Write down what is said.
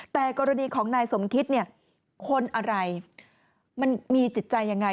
แต่กรณีของนายสมคิตคนอะไรมันมีจิตใจอย่างไร